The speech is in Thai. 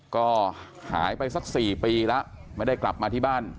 ก็หายไปสัก๔ปีแล้วไม่ได้กลับมาที่บ้าน